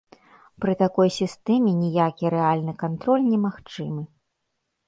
Пры такой сістэме ніякі рэальны кантроль немагчымы.